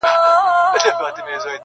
لکه باران را اورېدلې پاتېدلې به نه ,